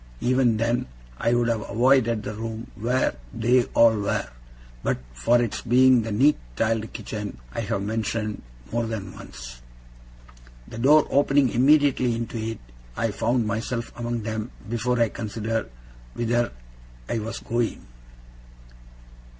Even then, I would have avoided the room where they all were, but for its being the neat tiled kitchen I have mentioned more than once. The door opening immediately into it, I found myself among them before I considered whither I was going.